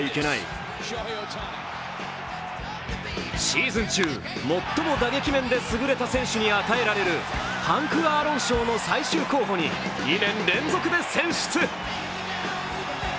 シーズン中、最も打撃面で優れた選手に与えられるハンク・アーロン賞の最終候補に２年連続で選出。